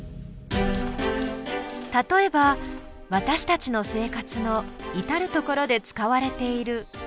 例えば私たちの生活の至る所で使われているガラス。